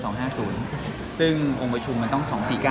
ซึ่งองค์ประชุมมันต้อง๒๔๙